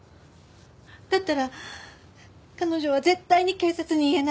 だったら彼女は絶対に警察に言えない。